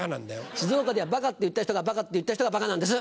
静岡ではバカって言った人がバカって言った人がバカなんです。